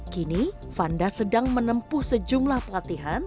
kini fanda sedang menempuh sejumlah pelatihan